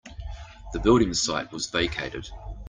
The building site was vacated.